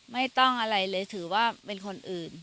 ไม่ต้องอะไรเลยถือว่าเป็นคนอื่น